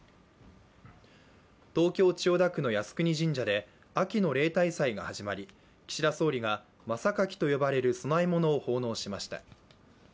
東京・千代田区の靖国神社で秋の例大祭が始まり、岸田総理がまさかきと呼ばれる供え物を奉納しました。